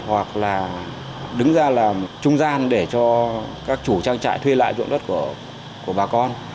hoặc là đứng ra làm trung gian để cho các chủ trang trại thuê lại dụng đất của bà con